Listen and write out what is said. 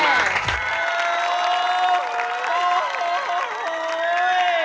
เยี่ยมค่ะ